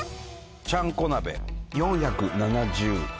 ちゃんこ鍋４７０円